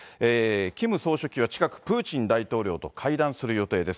キム総書記は近く、プーチン大統領と会談する予定です。